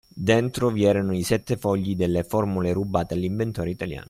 Dentro vi erano i sette fogli delle formule rubate all’inventore italiano.